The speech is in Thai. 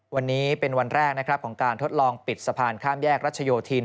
วันนี้เป็นวันแรกนะครับของการทดลองปิดสะพานข้ามแยกรัชโยธิน